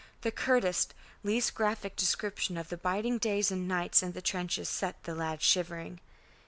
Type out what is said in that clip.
The curtest, least graphic description of the biting days and nights in the trenches set the lad shivering.